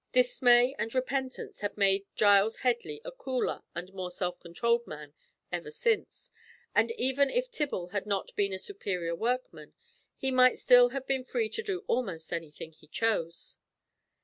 Dismay and repentance had made Giles Headley a cooler and more self controlled man ever since, and even if Tibble had not been a superior workman, he might still have been free to do almost anything he chose.